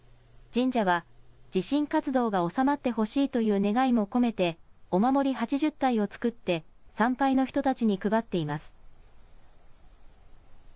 神社は地震活動が収まってほしいという願いも込めてお守り８０体を作って参拝の人たちに配っています。